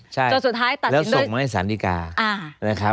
ใช่แล้วส่งมาให้สารดิกา